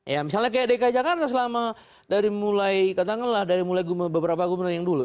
ya misalnya kayak dki jakarta selama dari mulai katakanlah dari mulai beberapa gubernur yang dulu